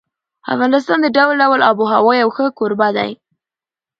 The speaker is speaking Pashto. افغانستان د ډول ډول آب وهوا یو ښه کوربه دی.